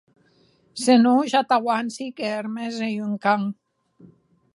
Se non, ja t'auanci que Hermes ei un can.